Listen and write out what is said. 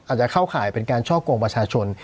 อาจจะเข้าข่ายเป็นการช่อกลงวชาชน